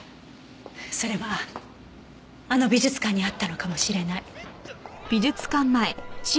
それはあの美術館にあったのかもしれない。